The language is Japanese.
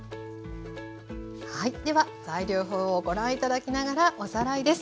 はいでは材料表をご覧頂きながらおさらいです。